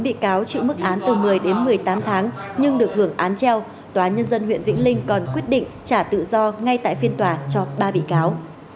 năm bị cáo chịu mức án từ một mươi đến một mươi tám tháng nhưng được hưởng án treo tòa nhân dân huyện vĩnh linh còn quyết định trả tự do ngay tại phiên tòa cho ba bị cáo